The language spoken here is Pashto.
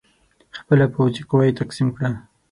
خپله پوځي قوه یې تقسیم کړه.